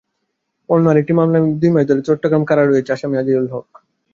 অন্য আরেকটি মামলায় দুই মাস ধরে চট্টগ্রাম কারাগারে রয়েছে আসামি আজিজুল হক।